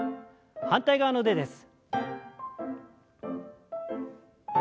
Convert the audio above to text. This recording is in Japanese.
反対側の腕です。